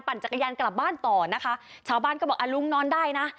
จักรยานกลับบ้านต่อนะคะชาวบ้านก็บอกอ่ะลุงนอนได้นะ